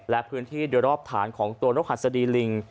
และพื้นที่โดยรอบฐานของตัวนกหัสดีลิง